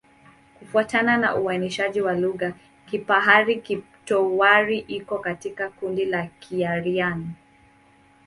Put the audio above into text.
Kufuatana na uainishaji wa lugha, Kipahari-Kipotwari iko katika kundi la Kiaryan.